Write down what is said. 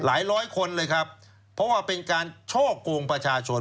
ร้อยคนเลยครับเพราะว่าเป็นการช่อกงประชาชน